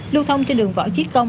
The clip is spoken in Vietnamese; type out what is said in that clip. lưu thông trên đường võ chiết công